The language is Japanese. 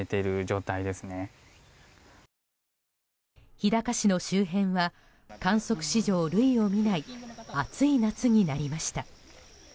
日高市の周辺は観測史上類を見ない暑い夏になりました。